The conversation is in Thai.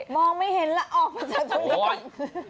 มองไม่เห็นแล้วออกมาจากตรงนี้ก่อน